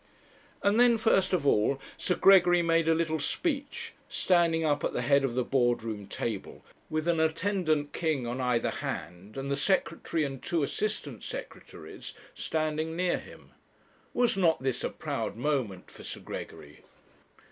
And then, first of all, Sir Gregory made a little speech, standing up at the head of the Board room table, with an attendant king on either hand, and the Secretary, and two Assistant Secretaries, standing near him. Was not this a proud moment for Sir Gregory?